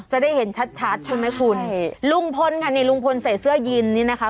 จะได้เห็นชัดคุณไหมคุณลุงพลกันเนี่ยลุงพลใส่เสื้อยินนี่นะคะ